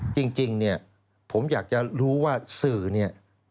จริงเนี่ยผมอยากจะรู้ว่าสื่อเนี่ย